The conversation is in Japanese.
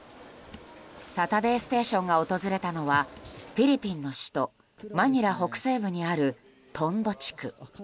「サタデーステーション」が訪れたのはフィリピンの首都マニラ北西部にあるトンド地区。